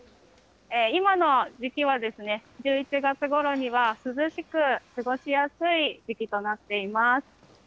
今の時期は、１１月ごろには涼しく過ごしやすい時期となっています。